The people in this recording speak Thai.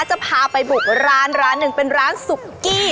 จะพาไปบุกร้านร้านหนึ่งเป็นร้านสุกี้